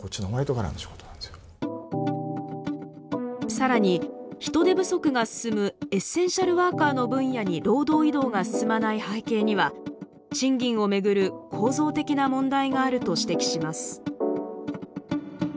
さらに人手不足が進むエッセンシャルワーカーの分野に労働移動が進まない背景には賃金をめぐる構造的な問題があると指摘します。